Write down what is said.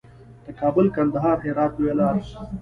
د کابل، کندهار، هرات لویه لار.